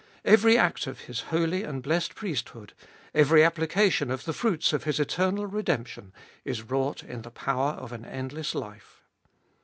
Every act of His holy and blessed priesthood, every application of the fruits of His eternal redemption, is wrought in the power of an endless life.